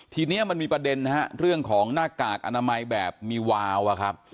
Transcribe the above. ทีนี้มันมีประเด็นนะฮะเรื่องของหน้ากากอนามัยแบบมีวาวอะครับ